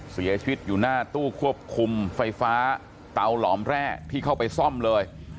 เสียชีวิตอยู่หน้าตู้ควบคุมไฟฟ้าเตาหลอมแร่ที่เข้าไปซ่อมเลย